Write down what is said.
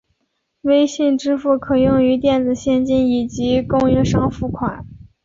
微信支付可用于电子现金以及供应商付款。